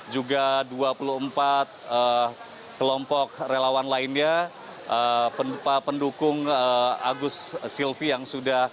juga dua puluh empat kelompok relawan lainnya pendukung agus silvi yang sudah